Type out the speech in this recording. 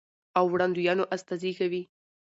او وړاندوينو استازي کوي،